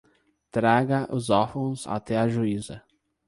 Traga os órfãos até a juíza